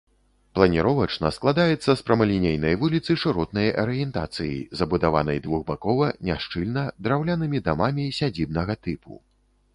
Планіровачна складаецца з прамалінейнай вуліцы шыротнай арыентацыі, забудаванай двухбакова, няшчыльна, драўлянымі дамамі сядзібнага тыпу.